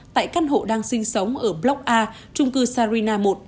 tại căn hộ đang sinh sống ở block a trung cư sarina một